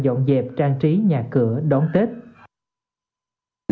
dọn dẹp trang trí nhà cửa đón tết